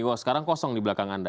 wah sekarang kosong di belakang anda